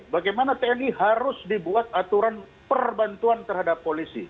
bagaimana tni harus dibuat aturan perbantuan terhadap polisi